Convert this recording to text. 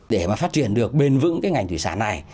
để mà phát triển được bền vững cái ngành thủy sản này